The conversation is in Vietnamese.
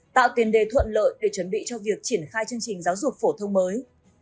tạo tiền đề thuận lợi để chuẩn bị cho việc triển khai chương trình giáo dục phổ thông mới